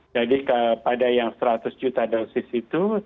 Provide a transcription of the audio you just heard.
jadi pada yang seratus juta dosis itu